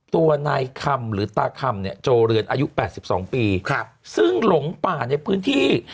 ตัวนายคำหรือตาคำเนี่ยโจเรือนอายุ๘๒ปีครับซึ่งหลงป่าในพื้นที่